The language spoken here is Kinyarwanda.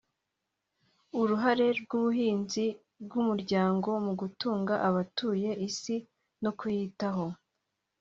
“Uruhare rw’ubuhinzi bw’umuryango mu gutunga abatuye isi no kuyitaho”